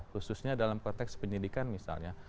khususnya dalam konteks penyidikan misalnya